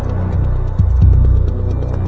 เบื่ออะไรก็ไหว